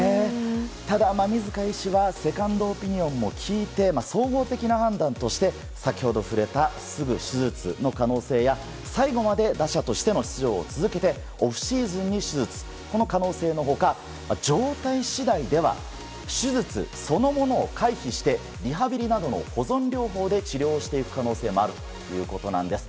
ただ、馬見塚医師は、セカンドオピニオンも聞いて、総合的な判断として、先ほど触れたすぐ手術の可能性や、最後まで打者としての出場を続けて、オフシーズンに手術、この可能性のほか、状態しだいでは、手術そのものを回避して、リハビリなどの保存療法で治療していく可能性もあるということなんです。